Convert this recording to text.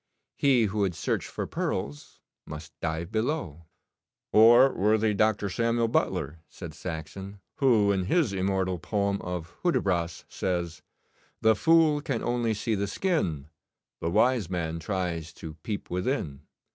He who would search for pearls must dive below."' 'Or worthy Dr. Samuel Butler,' said Saxon, 'who, in his immortal poem of "Hudibras," says "The fool can only see the skin: The wise man tries to peep within."